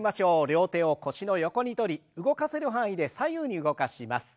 両手を腰の横にとり動かせる範囲で左右に動かします。